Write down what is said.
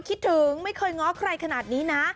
คิดถึงไม่เคยง้อใครขนาดนี้นะ